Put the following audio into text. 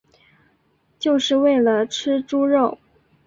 就是为了吃猪肉